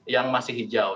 yang masih hijau